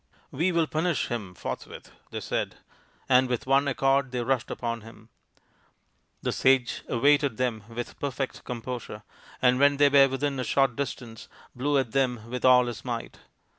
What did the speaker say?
" We will punish him forthwith," they said, and with one accord they rushed upon him. The sage awaited them with perfect composure, and when they were within a short distance blew at them with all his might.